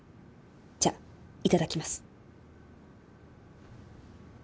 じゃあいただきます